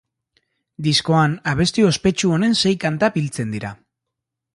Diskoan abesti ospetsu honen sei kanta biltzen dira.